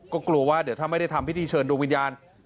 ก็กลัวว่าเดี๋ยวถ้าไม่ได้ทำพิธีเชิญดวงวิญญาณ